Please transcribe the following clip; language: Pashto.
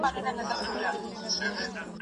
که اصلاح نه وي نو ستونزه پیدا کيږي.